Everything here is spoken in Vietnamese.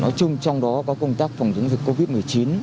nói chung trong đó có công tác phòng chống dịch covid một mươi chín